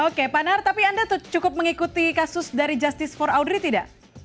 oke pak nar tapi anda cukup mengikuti kasus dari justice for audrey tidak